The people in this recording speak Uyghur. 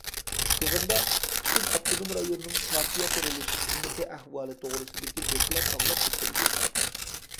يىغىندا پۈتۈن ئاپتونوم رايوننىڭ پارتىيە قۇرۇلۇشى خىزمىتى ئەھۋالى توغرىسىدىكى دوكلات ئاڭلاپ ئۆتۈلدى.